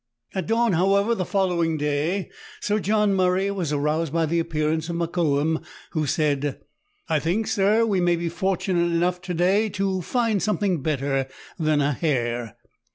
At dawn, however, the following day, Sir John Murray was aroused by the appearance of Mokoum, who said, " I think, sir, we may be fortunate enough to day to find some thing better than a hare."